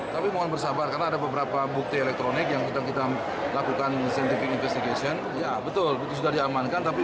tapi mohon bersabar karena ada beberapa bukti elektronik yang kita lakukan ya betul itu sudah diamankan tapi itu bukan pelakunya